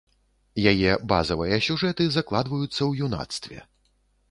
Яе базавыя сюжэты закладваюцца ў юнацтве.